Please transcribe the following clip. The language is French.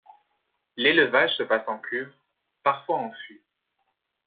L'élevage se passe en cuve, parfois en fût.